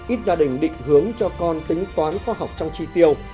ít gia đình định hướng cho con tính toán khoa học trong chi tiêu